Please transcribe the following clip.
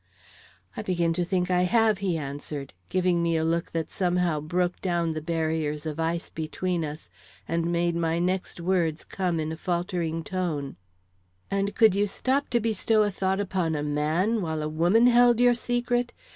"I begin to think I have," he answered, giving me a look that somehow broke down the barriers of ice between us and made my next words come in a faltering tone: "And could you stop to bestow a thought upon a man while a woman held your secret?